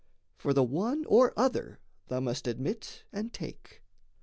For the one or other Thou must admit and take.